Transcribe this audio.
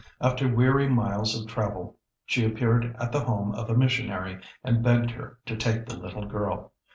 After weary miles of travel she appeared at the home of a missionary and begged her to take the little girl.